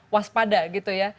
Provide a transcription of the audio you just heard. waspada gitu ya